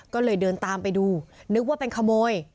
ก็เลยเดินตามไปดูนึกว่าเป็นขโมย